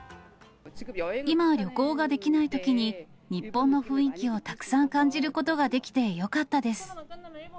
今、旅行ができないときに、日本の雰囲気をたくさん感じることができてよかったです。